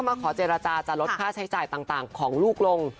มาขอเจรจาจะลดค่าใช้จ่ายต่างของลูกลง